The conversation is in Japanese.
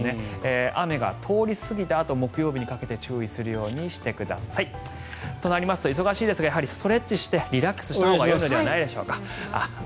雨が通り過ぎたあと木曜日にかけて注意するようにしてください。となりますと忙しいですがやはりストレッチしてリラックスしていくのがいいのではないでしょうか。